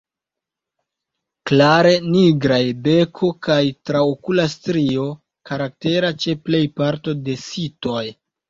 Klare nigraj beko kaj traokula strio, karaktera ĉe plej parto de sitoj.